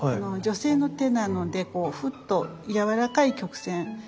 女性の手なのでふっとやわらかい曲線。